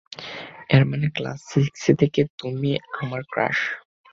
এর মানে class six থেকে তুমি আমার ক্রাশ।